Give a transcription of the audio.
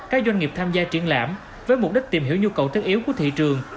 các doanh nghiệp tham gia triển lãm với mục đích tìm hiểu nhu cầu thiết yếu của thị trường